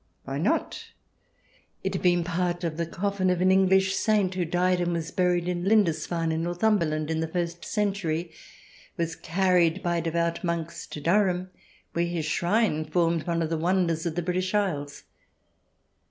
Why not ? It had been part of the coflfin of an English saint who died and was buried in Lindisfarne in Northumberland in the first century, was carried by devout monks to Durham, where his shrine formed one of the wonders of the British Isles.